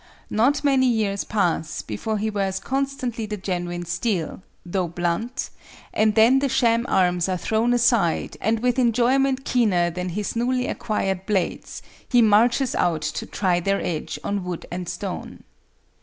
Not many years pass before he wears constantly the genuine steel, though blunt, and then the sham arms are thrown aside and with enjoyment keener than his newly acquired blades, he marches out to try their edge on wood and stone.